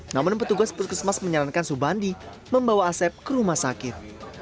namun petugas puskesmas menyarankan subandi membawa asep ke rumah sakit